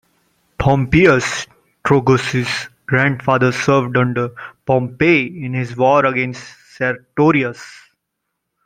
Pompeius Trogus's grandfather served under Pompey in his war against Sertorius.